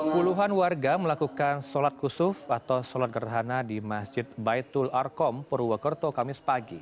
puluhan warga melakukan sholat kusuf atau sholat gerhana di masjid baitul arkom purwokerto kamis pagi